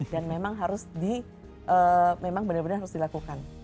dan memang harus di memang benar benar harus dilakukan